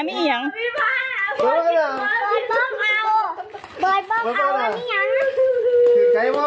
มาหอบจากพ่อเหรอพ่อดูไม่เหรอ